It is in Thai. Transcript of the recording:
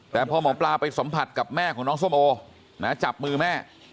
แต่พอหมอปลาไปสัมผัสกับแม่ของน้องส้มโอนะจับมือแม่